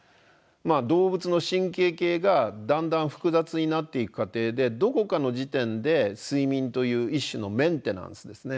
動物の神経系がだんだん複雑になっていく過程でどこかの時点で睡眠という一種のメンテナンスですね